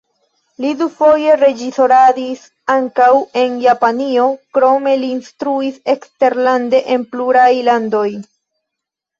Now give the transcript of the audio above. Li dufoje reĝisoradis ankaŭ en Japanio, krome li instruis eksterlande en pluraj landoj.